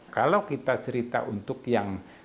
kalau kita cerita untuk yang